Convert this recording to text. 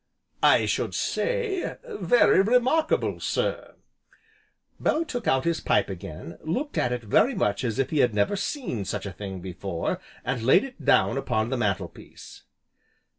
"I should say very remarkable, sir!" Bellew took out his pipe again, looked at it very much as if he had never seen such a thing before, and laid it down upon the mantelpiece.